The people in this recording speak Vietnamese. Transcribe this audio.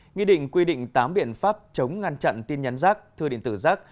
nghị định quy định tám biện pháp chống ngăn chặn tin nhắn rác thư điện tử rác